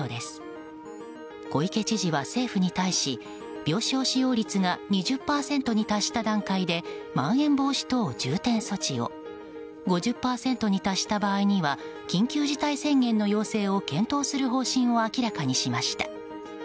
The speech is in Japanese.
小池知事は政府に対し病床使用率が２０％に達した段階でまん延防止等重点措置を５０％に達した場合には緊急事態宣言の要請を検討する方針を明らかにしました。